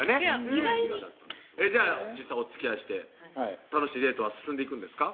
意外にじゃあ実際おつきあいして楽しいデートは進んでいくんですか？